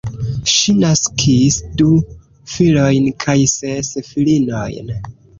Ŝi naskis du filojn kaj ses filinojn.